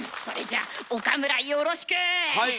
はい！